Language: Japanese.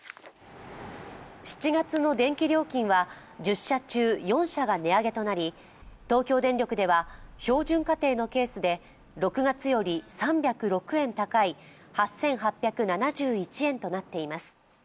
７月の電気料金は１０社中４社が値上げとなり東京電力では標準家庭のケースで６月より３０６円高い８８７１円となっています。